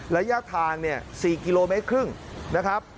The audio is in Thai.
ระยะทาง๔๕กิโลเมตรนะครับ